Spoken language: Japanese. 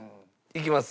いきます。